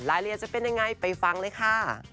รายละเอียดจะเป็นยังไงไปฟังเลยค่ะ